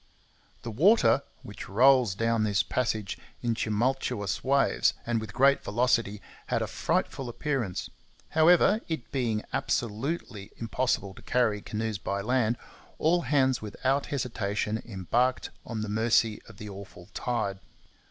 The water, which rolls down this passage in tumultuous waves and with great velocity, had a frightful appearance. However, it being absolutely impossible to carry canoes by land, all hands without hesitation embarked on the mercy of the awful tide.